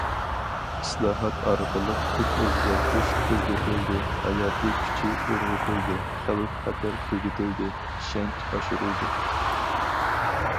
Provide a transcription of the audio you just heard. ئىسلاھات ئارقىلىق تىپ ئۆزگەرتىش تېزلىتىلدى، ھاياتىي كۈچى ئۇرغۇتۇلدى، خەۋپ- خەتەر تۈگىتىلدى، ئىشەنچ ئاشۇرۇلدى.